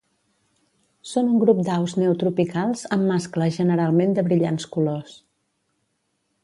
Són un grup d'aus neotropicals amb mascles generalment de brillants colors.